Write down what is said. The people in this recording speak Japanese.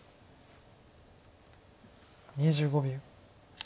２５秒。